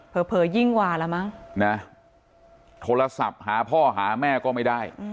เผลอเผลอยิ่งหว่าละมั้งนะโทรศัพท์หาพ่อหาแม่ก็ไม่ได้